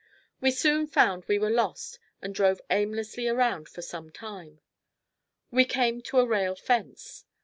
We soon found we were lost and drove aimlessly around for some time. We came to a rail fence.